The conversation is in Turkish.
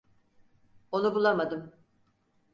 Onu bulamadım.